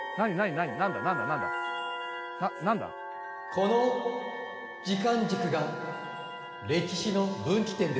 この時間軸が歴史の分岐点ですから。